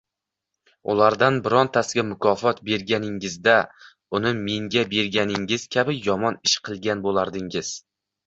Ulardan birontasiga mukofot berganingizda, uni menga berganingiz kabi yomon ish qilgan bo‘lardingiz